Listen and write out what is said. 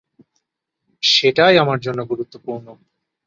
সেটাই আমার জন্য গুরুত্বপূর্ণ।